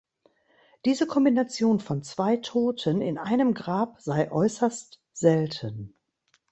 Diese Kombination von zwei Toten in einem Grab sei äußerst selten.